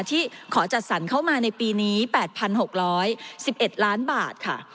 ที่ขอจัดสรรเข้ามาในปีนี้๘๖๑๑ล้านบาทค่ะ